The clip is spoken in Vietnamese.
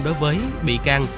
đối với bị can